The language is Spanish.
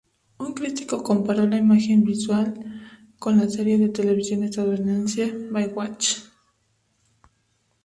Un crítico comparó la imagen visual con la serie de televisión estadounidense "Baywatch".